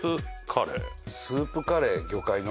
スープカレー魚介の？